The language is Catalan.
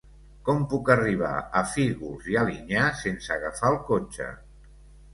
Com puc arribar a Fígols i Alinyà sense agafar el cotxe?